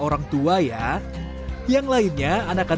orangtua ya yang lainnya